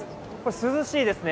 涼しいですね。